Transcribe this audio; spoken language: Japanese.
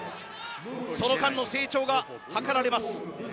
その間の成長が図られます。